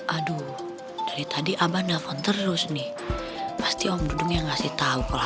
aduh dari tadi abang telepon terus nih pasti om dudung yang ngasih tahu kalau